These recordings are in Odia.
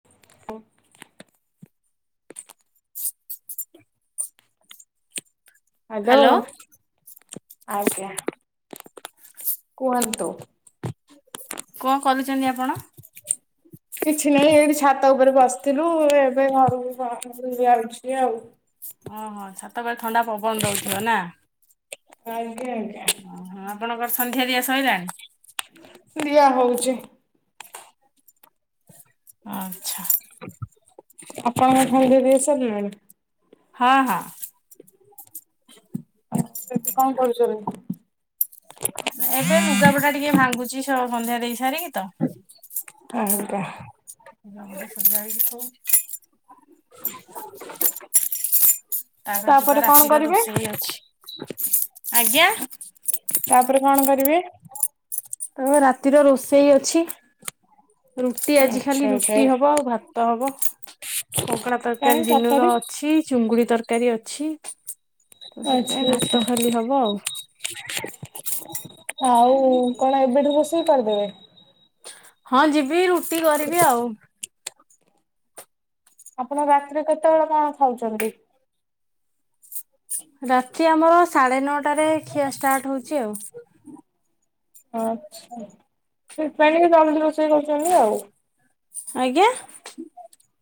ହ [inaudible] [unintelligible] ହ୍ୟାଲୋ। ଆଜ୍ଞା, କୁହନ୍ତୁ। କଣ କରୁଛନ୍ତି ଆପଣ? କିଛି ନାହିଁ ଏଇଠି ଛାତ ଉପରେ ବସିଥିଲୁ ଏବେ ଘରକୁ [inaudible] ଯାଉଛି ଆଉ ଓହୋଃ ଛାତ ଉପରେ ଥଣ୍ଡା ପବନ ଦଉଥିବ ନା? ଆଜ୍ଞା ଆଜ୍ଞା। ଓହୋ ଆପଣଙ୍କର ସନ୍ଧ୍ୟା ଦିଆ ସଇଲାଣି? ଦିଆ ହଉଛି। ଆଚ୍ଛା। ଆଣଙ୍କର ସନ୍ଧ୍ୟା ଦିଆ ସରିଲାଣି? ହଁ ହଁ। କଣ କରୁଛ ତମେ? ଏବେ ଲୁଗାପଟା ଟିକେ ଭାଙ୍ଗୁଛି ସନ୍ଧ୍ୟା ଦେଇ ସାରିକି ତ ଆଜ୍ଞା। ଲୁଗା ସଜାଡିକି ଥୋଉଛି। [unintelligible] ତାପରେ ଯିବା କଣ ରାତିର କରିବେ ରୋଷେଇ ଅଛି, ଆଜ୍ଞା? ତାପରେ କଣ କରିବେ? ତ ରାତିର ରୋଷେଇ ଅଛି। ରୁଟି ଆଜି ଆଚ୍ଛା ଖାଲି ଆଚ୍ଛା ରୁଟି ହବ ଆଉ ଭାତ ହବ କଙ୍କଡା ତରକାରୀ ଦିନୁର ଅଛି ଚୁଙ୍ଗୁଡି ତରକାରୀ ଅଛି। ତ ଆଚ୍ଛା ସେଥିପାଇଁ ଆଚ୍ଛା। ଭାତ ଖାଲି ହବ ଆଉ ଆଉ କଣ ଏବେଠୁ ରୋଷେଇ କରିଦେବେ? ହଁ ଯିବି ରୁଟି କରିବି ଆଉ ଆପଣ ରାତିରେ କେତେବେଳେ କଣ ଖାଉଛନ୍ତି? ରାତି ଆମର ସାଢେ ନଅଟାରେ ଖିଆ ଷ୍ଟାର୍ଟ ହଉଛି ଆଉ ଆଚ୍ଛା ସେଥିପାଇଁ ଟିକ ଜଲଦି ରୋଷେଇ କରୁଛନ୍ତି ଆଉ ଆଜ୍ଞା।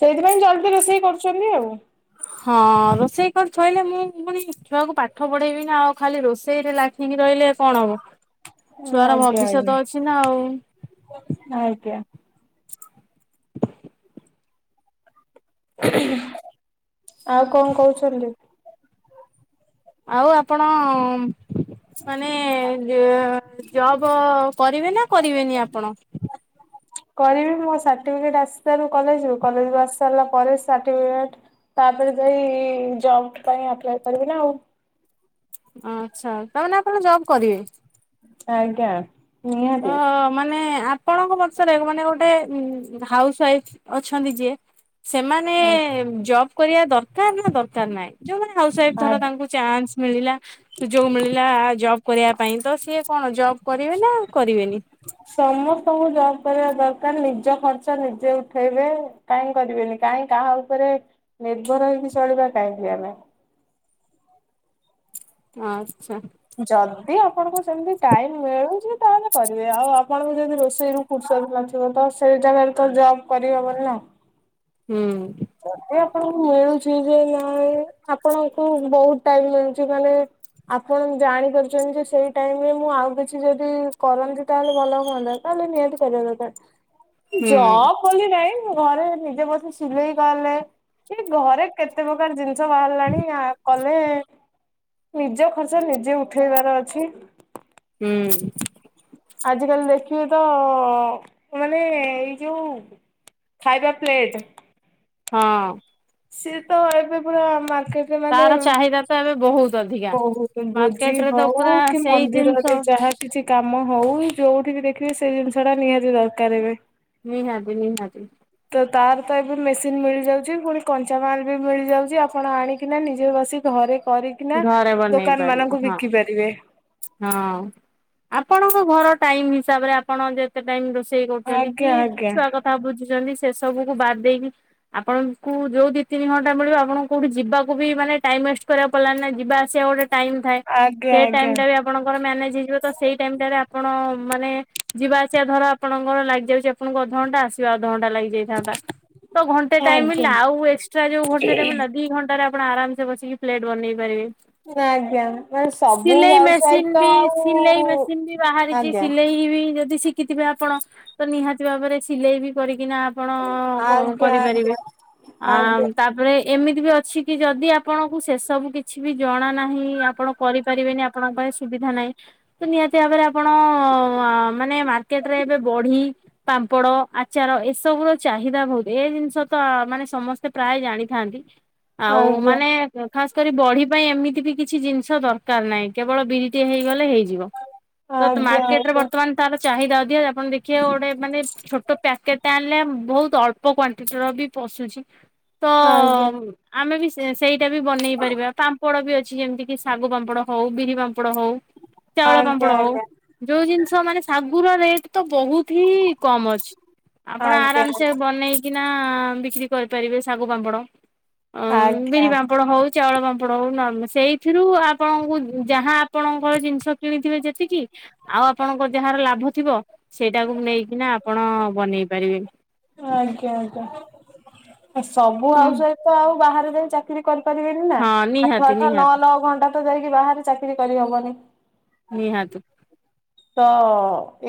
ସେଇଥିପାଇଁ ଜଲଦି ରୋଷେଇ କରୁଛନ୍ତି ଆଉ ହଁ ରୋଷେଇ କରି ଥୋଇଲେ ମୁଁ ପୁଣି ଛୁଆକୁ ପାଠ ପଢେଇବି ନା ଆଉ ଖାଲି ରୋଷେଇରେ ଲାଗ ରହିଲେ କଣ ହବ। ଛୁଆର ଆଜ୍ଞା ଆଜ୍ଞା। ଭବିଷ୍ୟତ ଅଛି ନା ଆଉ। ଆଜ୍ଞା ଆଉ କଣ କହୁଛନ୍ତି? ଆଉ ଆପଣ ମାନେ ଜବ କରିବେ ନା କରିବେନି ଆପଣ? କରିବି ମୋ ସାର୍ଟିଫିକେଟ ଆସିସରୁ କଲେଜରୁ କଲେଜରୁ ଆସି ସାରିଲା ପରେ ସାର୍ଟିଫିକେ ତାପରେ ଯାଇ ଜବ ପାଇଁ ଆପ୍ଲାଇ କରିବି ନା ଆଉ ଆଚ୍ଛା ତାହେଲେ ଆପଣ ଜବ୍ କରିବେ? ଆଜ୍ଞା। ଓ ନିହାତି। ମାନେ ଆପଣଙ୍କ ମତରେ ରେ ମାନେ ଗୋଟେ ହାଉସ ୱାଇଫ ଅଛନ୍ତି ଯିଏ ସେମାନେ ଆ ଜବ କରିବା ଦରକାର ନା ଦରକାର ନାହିଁ? ଯୋଉଁ ମାନେ ହାଉସୱାଇଫ ଆ ଧର ତାଙ୍କୁ ଚାନ୍ସ ମିଳିଲା ସୁଯୋଗ ମିଳିଲା ଜବ କରିବା ପାଇଁ ତ ସିଏ କଣ ଜବ୍ କରିବେ ନା କରିବେନି? ସବୁ ଜବ କରିବା ଦରକାର ନିଜ ଖର୍ଚ ନିଜେ ଉଠେଇବେ କାହିଁ କରିବେନି କାଇହିଁ କାହା ଉପରେ ନିର୍ଭର ହେଇକି ଚଳିବା କାହିଁକି ଆମେ ଆଛା। ଯଦି ଆପଣଙ୍କୁ ସେମିତି ଟାଇମ ମିଳୁଛି ତାହେଲେ କରିବେ ଆଉ ଆପଣଙ୍କୁ ଯଦି ରୋଷେଇରୁୁ ଫୁର ନଥିବ ତ ସେଇ ଜାଗାରେ ତ ଜବ କରିହେବନି। ହୁଁ। ଜଦି ଆପଣଙ୍କୁ ମିଳୁଛି ଯେ ନାଇଁ ଆପଣଙ୍କୁ ବହୁତ ଟାଇମ ମିଳୁଛି ମାନେ ଆପଣ ଜାଣିପାରୁଛନ୍ତି ଯେ ସେଇ ଟାଇମ ରେ ମୁଁ ଆଉ କିଛି ଯଦି କରନ୍ତି ତାହେଲେ ଭଲ ହୁଅନ୍ତା ତ ନିହାତି କରିବା ଦରକାର। ହୁଁ ଜବ ବୋଲି ନାଇଁ ଘରେ ନିଜେ ବସେ ସିଲେଇ କଲେ ଘରେ କେତେ ପ୍ରକାର ଜିନିଷ ବାହାରିଲାଣି କଲେ ନିଜ ଖର୍ଚ୍ଚ ନିଜେ ଉଠେଇବାର ଅଛି। ହୁଁ। କିଏ ତ ମାନେ ଏଇ ଯୋଉଁ ଖାଇବା ପ୍ଲେଟ ହଁ। ସିଏ ତ ଏବେ ପୁରା ମା କେବେ ମାନେ ତାର ଚାହିଦା ତ ଏବେ ବହୁତ ଅଧିକା ବହୁତ ମାର୍କେଟ ଭୋଜି ରେ ତ ପୁରା ହଉ କି ସେଇ ଜିନିଷ ମନ୍ଦିରରେ ଯାହା କିଛି କାମ ହଉ ଯୋଉଁଠି ବି ଦେଖିବେ ସେଇ ଜିନିଷ ଟା ନିହାତି ଦରକାର ଏବେ। ନିହାତି ନିହାତି ତ ତାର ତ ଏବେ ମେସିନ୍ ମିଳିଯାଉଛି। ପୁଣି କଞ୍ଚାମାଲ ବି ମିଳିଯାଉଛି। ଆପଣ ଆଣିକିନା ନିଜେଘରେ ସେ ଘରେ କରିକିନା ଘରେ ବନେଇ ଦୋକାନ ପାରିବ ମାନଙ୍କୁ ହଁ ବିକି ପାରିବେ। ହଁ। ଆପଣଙ୍କ ଘର ଟାଇମ ହିସାବରେ ଆପଣ ଯେତେ ଟାଇମ ରୋଷେଇ କରୁଛନ୍ତି କି ଆଜ୍ଞା ଆଜ୍ଞା ଛୁଆ କଥା ବୁଝୁଛନ୍ତି। ସେ ସବୁକୁ ବାଦ ଦେଇକି ଆପଣଙ୍କୁ ଯୋଉଁ ଦି ତିନି ଘଣ୍ଟା ମିଳିବ ଆପଣଙ୍କୁ କୋଉଠି ଯିବାକୁ ବି ମାନେ ଟାଇମ ୱେଷ୍ଟ କରିବାକୁ ପଡିଲା ନା ଯିବା ଆସିବା ଗୋଟେ ଟାଇମ ଥାଏ। ଆଜ୍ଞା ସେ ଆଜ୍ଞା ଟାଇମ ଟା ବି ଆପଣଙ୍କର ମ୍ୟାନେଜ ହେଇଯିବ ତ ସେଇ ଟାଇମ ଟାରେ ଆପଣ ମାନେ ଯିବା ଆସିବା ଧର ଆପଣଙ୍କର ଲାଗିଯାଉଛି। ଆପଣଙ୍କୁ ଅଧଘଣ୍ଟା ଆସିବା ଅଧ ଘଣ୍ଟା ଲାଗିଯାଇଥାନ୍ତା ତ ଘଣ୍ଟେ ଟାଇମ ଆଜ୍ଞା। ମିଳିଳା ଆଉ ଏକ୍ସଟ୍ରା ଯୋଉଁ ଘଣ୍ଟେ ମିଳିଳା ଟାଇମ ମିଳିଳା ଦି'ଘଣ୍ଟା ର ଆପଣ ଆରାମସ ବସିକି ପ୍ଲେଟ ବନେଇ ପାରିବେ। ଆଜ୍ଞା ମାନେ ସିଲେଇ ସୁହାଉସ ୱାଇଫ ମେସିନ ତ ବି ସିଲେଇ ଆଉ ମେସିନ ବି ବାହାରିଛି ଆଜ୍ଞା ସିଲେଇ ବି ଯଦି ଶିଖିଥିବେ ଆପଣ ତ ନିହାତି ଭାବରେ ସିଲେଇ ବି କରି ବିନା ଆପଣ କ ଆଜ୍ଞା କରିପାରିବେ ଆ ଆଜ୍ଞା ତାପରେ ଏମିତି ବି ଅଛି କି ଯଦି ଆପଣଙ୍କୁ ଶେଷ ସବୁ କିଛି ବି ଜଣା ନାହିଁ ଆପଣ କରିପାରିବେନି ଆପଣଙ୍କ ପାଇଁ ସୁବିଧା ନାହିଁ ତ ନିହାତି ଭାବରେ ଆପଣ ଅ ମାନେ ମାର୍କେଟରେ ଏବେ ବଢି ପାମ୍ପଡ ଆଚାର ଏସବୁ ର ଚାହି ଦା ବହୁତ୍ ଏ ଜିନିଷ ତ ମାନେ ସମସ୍ତେ ପ୍ରାୟ ଜାଣିଥାନ୍ତି ଆଉ ଆଜ୍ଞା ମାନେ ଖାସ୍ କରି ବଢି ପାଇଁ ଏମିତି ବି କିଛି ଜିନିଷ ଦରକାର ନାହିଁ କେବଳ ବିରିଟି ହେଇଗଲେ ହେଇଯି ଯିବ ତ ଆଜ୍ଞା ମାର୍କେଟରେ ବର୍ତ୍ତମାନ ତାର ଚାହିଦାଧି ଆପଣ ଦେଖିବାେ ଗୋଟେ ମାନେ ଛୋଟ ପ୍ୟାକେଟ୍ ଟା ଆଣିଲେ ବହୁତ ଅଳ୍ପ କ୍ୱାନ୍ତିଟିର ବି ପଶୁଛି ତ ଆଜ୍ଞା ଆମେ ବି ସେଇଟା ବି ବନେଇ ପାରିବା ପାମ୍ପଡ଼ ବି ଅଛି। ଛି ଯେମିତି କିି ଶାଗୁ ପାମ୍ପଡ଼ ହଉ ବିରି ପାମ୍ପଡ ପାମ୍ପଡ ହଉ ଚାଉଳ ପାମ୍ପଡ ଆଜ୍ଞା ଆଜ୍ଞା ହଉ ଯୋଉ ଜିନିଷ ମାନେ ସାଗୁ ର ରେଟ ତ ବହୁତ। ହିଇ କମ ଅଛି ଆପଣ ଆଜ୍ଞା ଆଜ୍ଞା ଆରାମସେ ବନ ଆଁ ବିକ୍ରି କରିପାରିବେ ଶାଗୁ ପାମ୍ପଡ ଆଜ୍ଞା ଆଜ୍ଞା ବିରି ପା ଚାଉଳ ପାମ୍ପଡ଼ ହଉ ନ ସେଇଥିରୁ ଆପଣଙ୍କୁ ଯାହା ଆପଣଙ୍କର ଜିନିଷ କିଣିଥିବେ ଯେତିକି ଆଉ ଆପଣଙ୍କ ଯାହାର ଲାଭ ଥିବ ସେଇଟାକୁ ନେଇକିନା ଆପଣ ବନେଇ ପାରିବେ। ଆଜ୍ଞା ଆଜ୍ଞା। ସବୁ ହାଉସ ୱାଇଫ ତ ଆଉ ବାହାରେ ଯାଇ ଚାକିରି କରିପାରିବେନି ନା ହଁ ଆଠ ନିହାତି ଆଠ ନଅ ନିହାତି ନଅ ଘଣ୍ଟା ଯାଇକି ବାହାରେ ଚାକିରି କରିହବନି। ନିହାତି। ତ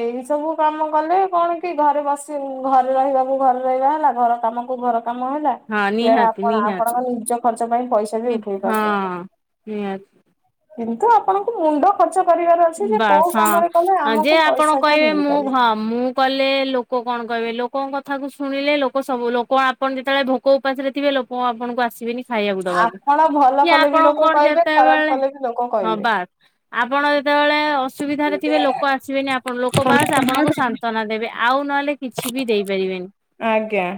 ଏଇ ସବୁ କାମ କଲେ କଣ କି ଘରେ ବସି ଘରେ ରହିବାକୁ ଘରେ ରହି ହେଲା ଘର କାମକୁ ଘର କାମ ହେଲା ହଁ ଇଆଡେ ନିହାତି ଆପଣ ନିହାତି। ଆପଣଙ୍କ ନିଜ ଖର୍ଚ୍ଚ ପାଇଁ ପଇସା ବି ଉଠେଇ ହଁ ପାରିବେ। ନିହାତି। କିନ୍ତୁ ଆପଣଙ୍କୁ ମୁଣ୍ଡ ଖର୍ଚ୍ଚ କରିବାର ଅଛି ଯେ କୋଉ ବାସ୍ କାମରେ କଲେ ହଁ ଯେ ଆମକୁ ଆପଣ ପଇସା ଟା କହିବେ ମୁଁ ମିଳିପାରିବ। ହଁ ମୁଁ କଲେ ଲୋ ଲୋକ କଣ କହିବେ ଲୋକଙ୍କ କଥାକୁ ଶୁଣିଲେ ଲୋକ ସବୁ ଲୋକ ଆପଣ ଯେତେବେଳେ ଭୋକ ଉପାସରେ ଥିବେ ଲୋକ ଆପଣ ଆସି କିବେନି ଖାଇବାକୁ ଦବାକୁ ଆପଣ ଭଲ କିଏ କଲେ ବି ଆପଣଙ୍କ ଲୋକ କଣ କହିବେ ଖରାପ ଯେତେବେଳେ କଲେ ବି ଲୋକ ହଁ କହିବେ। ବାସ୍ ଆପଣ ତେବେଳେ ଅସୁବିଧାରେ ଥିବେ ଲୋକ ଆସିବେନିଆପଣ ଲୋକ ବାସ୍ ଆପଣଙ୍କୁ ସାନ୍ତ୍ୱନା ଦେବେ ଆଉ ନହେଲେ କିଛି ବି ଦେଇପାରିବେ ବେନି ଆଜ୍ଞା।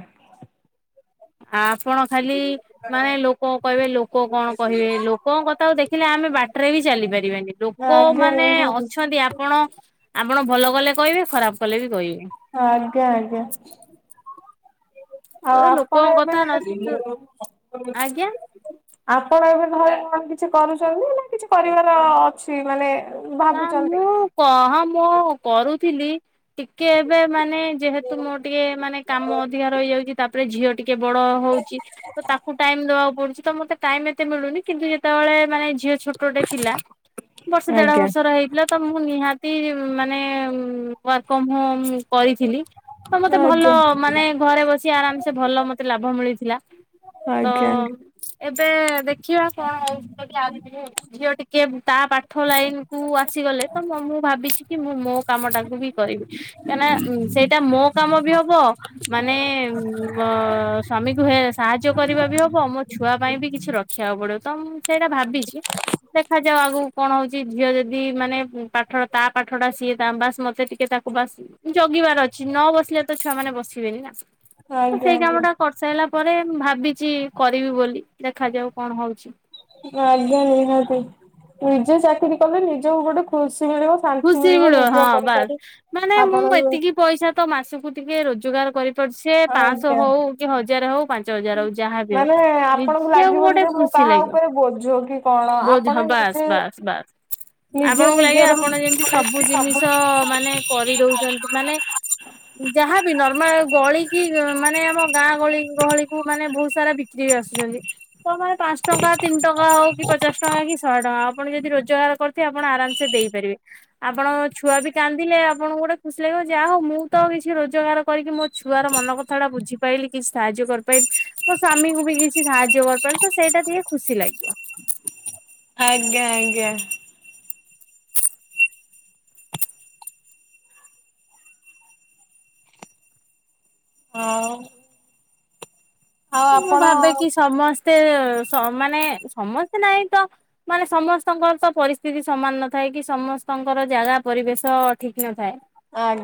ଆ ଆପଣ ଖାଲି ମାନେ ଲୋକ କହିବେ ଲୋକ କଣ କହିବେ ଲୋକଙ୍କ କଥାକୁ ଦେଖିଲେ ଆମେ ବାଟରେ ବି ଚାଲି ପାରିବାନି ଲୋକ ଲୋକ ଆଜ୍ଞା ମାନେ ନିହାତି ଅଛନ୍ତି ଆପଣ ଆପଣ ଭଲ କଲେ କହିବେ ଖରାପ କଲେ ବି କହିବେ। ହ ଆଜ୍ଞା ଆଜ୍ଞା। ତ ଆଉ ଆପଣ ଲୋକଙ୍କ କଥା ନ ଏବେବି ଆଜ୍ଞା ଆପଣ ଏବେ ଧରେ କ କିଛି କରୁଛନ୍ତି ନା କିଛି କରିବାର ଅଛି ମାନେ ନା ଭାବୁଛନ୍ତି? ମୁଁ କହ ମୁଁ କରୁଥିଲି ଟିକେ ଏବେ ମାନେ ଯେହେତୁ ମୋ ଟିକେ ମାନେ କାମ ଅଧିକା ରହିଯା ଉଛି ତାପରେ ଝିଅଟି କେ ବଡ ହଉଛି ତ ତାକୁ ଟାଇମ ଦବାକୁ ପଡୁଛି ତ ମତେ ଟାଇମ ଏତେ ମିଳୁନି କିନ୍ତୁ ଯେତେବେଳେ ମାନେ ଝିଅ ଛୋଟଟେ ଥିଲା ବର୍ଷ ଦେଢ ଆଜ୍ଞା। ବର୍ଷ ଥିଲା ତ ମୁଁ ନିହାତି ମାନେ ୱାର୍କଅମ ହୋମ କରିଥିଲି ତ ମତେ ଭଲ ଆଜ୍ଞା ମାନେ ଘରେ ବସି ଆରାମସେ ଭଲ ମତେ ଲାଭ ମିଳିଥିଲା। ତ ଆଜ୍ଞା ଏ ଏବେ ଦେଖିବା କଣ ହଉଚି ଆଗକୁ ଝିଅ ଟିକେ ତା ପାଠ ଲାଇନ କୁ ଆସିଗଲେ ତ ମୁଁ ଭାବିଛି କି ମୁଁ ମୋ କାମ ଟାକୁ ବି କରିବି। କାହିଁକନା ସେଇଟା ମୋ କାମ ବି ହବ ମାନେ ଉ ସ୍ଵାମୀ କୁ ହେ ସା ସାହାଯ୍ୟ କରିବା ବି ହବ ମୋ ଛୁଆ ପାଇଁ ବି କିଛି ରଖିବାକୁ ପଡିବ ତ ମୁଁ ସେଇଟା ଭାବିଛି ଦେଖାଯାଉ ଆଗକୁ କଣ ହଉଛି? ଝିଅ ଯଦି ମାନେ ପାଠ ତା ପାଠ ଟା ସିଏ ତା ବାସ୍ ମତେ ଟିକେ ତାକୁ ବାସ୍ ଜଗିବାର ଅଛି। ନ ବସିଲେ ତ ଛୁଆ ମାନେ ବସିବେନି ନା ତ ଆଜ୍ଞା ସେଇ ଆଜ୍ଞା। କାମ ଟା କରିସାରିଲା ପରେ ମୁ ଭାବି କିଛି କରିବି ବୋଲି ଦେଖାଯାଉ କଣ ହଉଛି? ଆଜ୍ଞା ନିହାତି। ନିଜେ ଚାକିରି କଲେ ନିଜକୁ ଗୋଟେ ଖୁସି। ମିଳିବ ଶାନ୍ତି ଖୁସି ମିଳିବ ମିଳୁ ହଁ ନିଜ ବାସ୍ ପଇସାରେ। ମାନେ ମୁଁ ଆପଣଙ୍କୁ ଏତିକି ପଇସା ତ ମାସକୁ ଟିକେ ରୋଜଗାର କରି ସେ ପାଞ୍ଚଶହ ଆଜ୍ଞା। ହଉ କି ହଜାର ହଉ ପାଞ୍ଚ ହଜାର ହଉ ଯାହାବି ହଉ ମାନେ ଆପଣଙ୍କୁ ନିଜେ ଆଉ ଲାଗିବନି ଗୋଟେ ଯେ ମୁଁ ଖୁସି କାହା ଲାଗିବ ଉପରେ ବୋଝ କି କଣ ବହୁତ ଆପଣ ହଁ ବାସ୍ ନିଜେ ବାସ୍ ବାସ୍ ନିଜେ ଆପଣଙ୍କୁ ଲାଗେ ନିଜର ଆପଣ ଯେମିତି ସବୁ ଜିନିଷ ମାନେ କରିଦଉଛନ୍ତି ମାନେ ଯାହାବି ନର୍ମାଲ ଗଳି ମାନେ ଆମ ଗାଁ ଗହଳି ଗହଳିକୁୁ ମାନେ ବହୁତ ସାରା ବିକ୍ରି ଆସୁଛନ୍ତି ତେ ପାଞ୍ଚ ଟଙ୍କା ତିନି ଟଙ୍କା ହେଉ କି ପଚାଶ ଟଙ୍କା କି ଶହେ ଟଙ୍କା ଆପଣ ଯଦି ରୋଜଗାର କରିଥେ ଆପଣ ଆରାମସେ ଦେଇପାରିବେ। ଆପଣ ଛୁଆ ବି କାନ୍ଦିଲେ ଆପଣଙ୍କୁ ଗୋଟେ ଖୁସି ଲାଗିବ ଯାହା ହଉ ମୁଁ ତ କିଛି ରୋଜଗାର କରିକି ମୋ ଛୁଆର ମନ କଥା ଟା ବୁଝି ପାଇାରଲି କିଛି ସାହାଯ୍ୟ କରିପାରଲିି ମୋ ସ୍ଵାମୀ କ ବି କିଛି ସାହାଯ୍ୟ କରିପାରି ତ ସେଇଟା ଦ ଖୁସି ଲାଗିବ। ଆଜ୍ଞା ଆଜ୍ଞା। ହଉ। ମୁଁ ଭାବେ କି ସମସ୍ତେ ଏତେ ମାନେ ସମସ୍ତେ ନହିଁ ତ ମାନେ ସମସ୍ତଙ୍କର ତ ପରିସ୍ଥିତି ସମାନ ନଥାଏ। କି ସମସ୍ତଙ୍କର ଜାଗା ପରିବେଶ ଠିକ ନଥାଏ।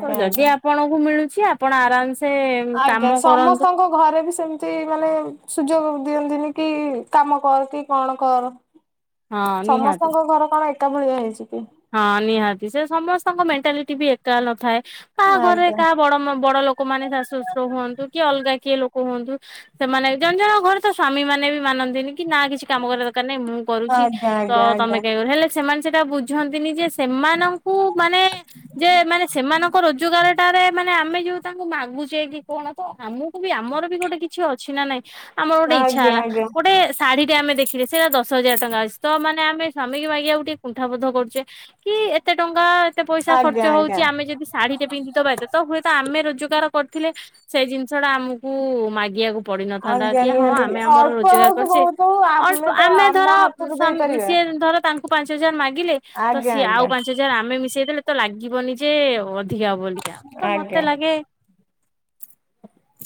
ତ ଯଦି ଆଜ୍ଞା। ଆପଣଙ୍କୁ ମିଳୁଛି ଆପଣ ଆରାମସ ଆଜ୍ଞା ସମସ୍ତଙ୍କ ଘରେ ବି ସେମିତି। ମାନେ ସୁଯୋଗ ଦିଅନ୍ତିନି କି କାମ କର କି କଣ କର? ହଁ ନିହାତି। ସମସ୍ତଙ୍କ ଘର କଣ ଏକା ଭଳିଆ ହେଇଛି। କି ହଁ ନିହାତି ସେ ସମସ୍ତଙ୍କ ମେଣ୍ଟାଲିଟି ବି ଏକା ନଥାଏ। କାହା ଘରେ ଆଜ୍ଞା। କାହା ବଡ ବଡ ଲୋକମାନୋନେ ଶାଶୁଶଶୁର ହୁଅନ୍ତୁ କିଏ ଅଲଗା କିଏ ଲୋକ କୁହନ୍ତୁ ସେମାନେ ଜଣେ ଜଣଙ୍କ ଘର ତ ସ୍ଵାମୀ ମାନେ ବି ମାନନ୍ତିନି। କି ନା କିଛି କାମ କରିବା ଦରକାର ନାାଇଁ ମୁଁ କରୁଛି ଆଜ୍ଞା ଆଜ୍ଞା ତମେ ଆଜ୍ଞା କାଇହି କର ହେଲେ ସେମାନେ ସେଇଟା ବୁଝ ବ ଯେ ସେମାନଙ୍କୁ ମାନେ ଯେ ମାନେ ସେମାନଙ୍କ ରୋଜଗାରଟାରେ ମାନେ ଆମେ ଯ ଉ ତାଙ୍କୁ ମାଗୁଛେ କି କଣ ତ ଆମକୁ ବି ଆମର ବି ଗୋଟେ କିଛି ଅଛି ନା ନାଇଁ। ଆମର ଗୋଟେ ଇଚ୍ଛା ଆଜ୍ଞା ହେଲା ଆଜ୍ଞା ଗୋଟେ ଶାଢୀ ଆମେ ଦେଖିଲେ ସେଇଟା ଦଶ ହଜାର ଟଙ୍କା ଅଛି ତ ମାନେ ଆମେ ସ୍ୱାମୀ ମାଗିବାକୁ ଟିକେ କୁଣ୍ଣଥାବୋଧ କରୁଛେ କି ଏତେ ଟଙ୍କା ଏତେ ପଇସା ଖର୍ଚ୍ଚ ଆଜ୍ଞା ହଉଛି ଆଜ୍ଞା। ଆମେ ଯଦି ଶୀଢୀରେ ପିନ୍ଧଦବା ତ ହୁଏତ ଆମେ ରୋଜଗାର ଥିଲେ ସେ ଜିନିଷ ଟା ଆମକୁ ମାଗିବାକୁ ପଡିିନଥାନ୍ତା ଆଜ୍ଞା କି ହଁ ନିହାତି ଆମେ ଆମର ଅଳ୍ପ ହଉ ରୋଜଗାର କି କରିୁଛେ ବହୁତ ହଉ ଅଳ୍ପ ତ ଆମେ ଆମ ଧର ହାତରୁ ଦେଇପାରିବା। ସ ଧର ତାଙ୍କୁ ପାଞ୍ଚ ହଜାର ମାଗିଲେତ ଆଜ୍ଞା ସିଏ ଆଉ ଆଜ୍ଞା ପାଞ୍ଚ ହଜାର ଆମେ ମିଶେଇ ଦେଲେ ତ ଲାଗିବନି ଯେ ଅଠିକ ବଲିକା ତ ମତେ ଆଜ୍ଞା ଲାଗେ।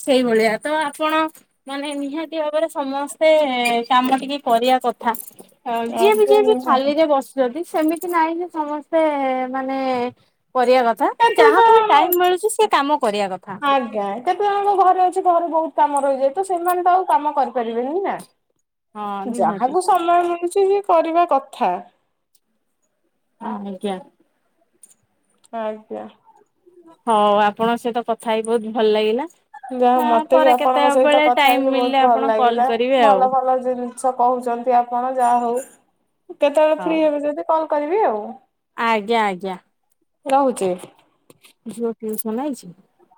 ସେଇଭଳିଆ ତ ଆପଣ ମାନେ ନିହାତି ଭାବରେ ସମସ୍ତେ କାମ ଟିକେ କରି କଥା ଯିଏ ବି ଆଜ୍ଞା ଯିଏ ବି ନିହାତି ଖାଲିରେ ବସିଛନ୍ତି ସେମିତି ନହିଁ କି ସମସ୍ତେ ମାନେ କରିବା କଥା କେତେ ଯାହାକୁ ବି ଜଣ ଟାଇମ ମିଳୁଛି ସେ କାମ କରିବା କଥା। ଙ୍କ ଘରେ ଅଛି ଘରେ ବହୁତ କାମ ରହିଯାଏ ତ ସେମାନେ ତ ଆଉ କାମ କରିପାରିବେନି ନା। ହଁ ନିହାତି। ଯାହାକୁ ସମୟ ମିଳଛି ଯ କରିବା କଥା। ହଁ ଆଜ୍ଞା। ଆଜ୍ଞା। ହଉ ଆପଣଙ୍କ ସହିତ କଥା ହେଇ ବହୁତ ଭଲ ଲାଗିଲା। ଯାହା ହଁ ମତେ ବି ପରେ ଆପଣଙ୍କ ସହିତ କେତେବେଳେ କଥା ଟାଇମ ହେଇକି ମିଳିଲେ ବହୁତ ଆପଣ ଭଲ କଲ୍ ଲାଗିଲା କରିବେ ଆଉ। ଭଲ ଭଲ ଜିନିଷ କହୁଛନ୍ତି ଆପଣ ଯାହା ହଉ କେତେବେଳେ ହଉ ଫ୍ରି ହେବେ ଯଦି କଲ କରିବି ଆଉ। ଆଜ୍ଞା ଆଜ୍ଞା। ରହୁଛି। ହ [unintelligible]